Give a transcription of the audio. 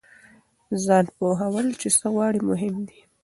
ځان پوهول چې څه غواړئ مهم دی.